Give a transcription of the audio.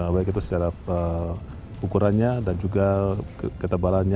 baik itu secara ukurannya dan juga ketebalannya